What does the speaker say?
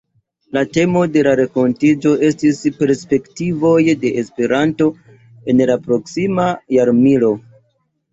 La temo de la renkontiĝo estis “Perspektivoj de Esperanto en la Proksima Jarmilo”.